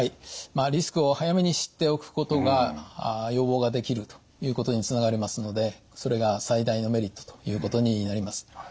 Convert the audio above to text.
まあリスクを早めに知っておくことが予防ができるということにつながりますのでそれが最大のメリットということになります。